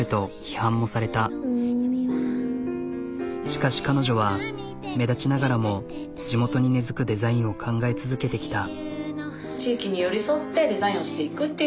しかし彼女は目立ちながらも地元に根づくデザインを考え続けてきた。